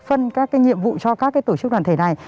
phân các nhiệm vụ cho các tổ chức đoàn thể này